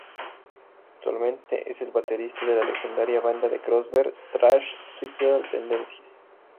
Actualmente es el baterista de la legendaria banda de crossover thrash Suicidal Tendencies.